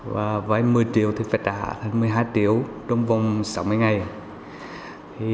và vai một mươi triệu thì phải trả một mươi hai triệu trong vòng sáu mươi ngày